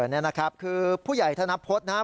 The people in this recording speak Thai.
นี่นะครับคือผู้ใหญ่ธนพสนะฮะ